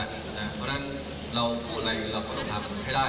เพราะฉะนั้นเราพูดอะไรเราก็ต้องทำผลให้ได้